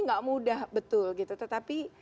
nggak mudah betul gitu tetapi